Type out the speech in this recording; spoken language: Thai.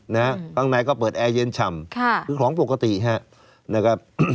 ข้างในก็เปิดแอร์เย็นฉ่ำค่ะคือของปกติฮะนะครับ